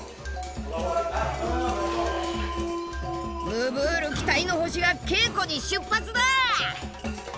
ムブール期待の星が稽古に出発だ！